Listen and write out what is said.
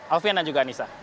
alfie dan juga anissa